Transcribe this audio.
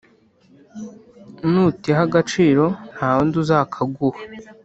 Nutiha agaciro ntawundi uzakaguha